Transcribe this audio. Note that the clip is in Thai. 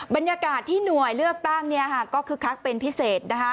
บรรยากาศที่หน่วยเลือกตั้งก็คึกคักเป็นพิเศษ